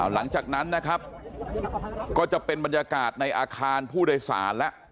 หลังจากนั้นนะครับก็จะเป็นบรรยากาศในอาคารผู้โดยสารแล้ว